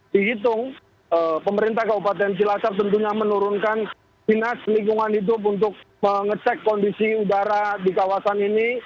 dihitung pemerintah kabupaten cilacap tentunya menurunkan dinas lingkungan hidup untuk mengecek kondisi udara di kawasan ini